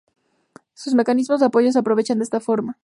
Sus mecanismos de apoyo se aprovechan de esta forma.